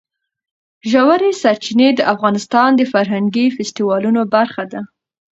ژورې سرچینې د افغانستان د فرهنګي فستیوالونو برخه ده.